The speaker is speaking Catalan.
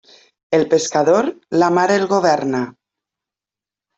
El pescador, la mar el governa.